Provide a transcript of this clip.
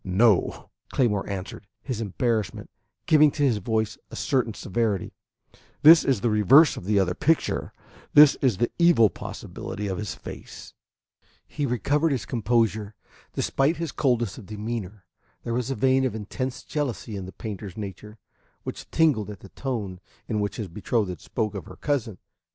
"No," Claymore answered, his embarrassment giving to his voice a certain severity. "This is the reverse of the other picture. This is the evil possibility of his face." He recovered his composure. Despite his coldness of demeanor, there was a vein of intense jealousy in the painter's nature, which tingled at the tone in which his betrothed spoke of her cousin.